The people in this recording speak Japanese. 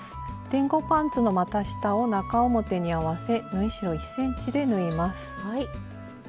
前後パンツのまた下を中表に合わせ縫い代１ｃｍで縫います。